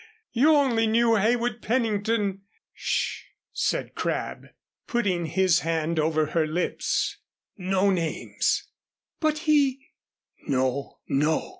You only knew Heywood Pennington " "Sh " said Crabb, putting his hand over her lips. "No names " "But he " "No, no."